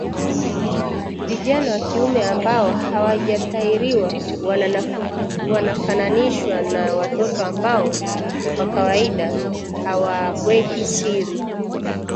Vijana wa kiume ambao hawajatahiriwa wanafananishwa na watoto ambao kwa kawaida hawaweki siri